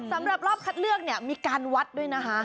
สำหรับรอบคัดเลือกเนี่ยมีการวัดด้วยนะคะ